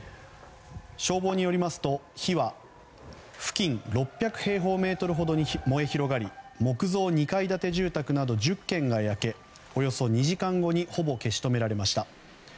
消防によりますと、火は付近６００平方メートルほどに燃え広がり木造２階建て住宅など１０軒が焼けおよそ２時間後にほぼ消し止められました。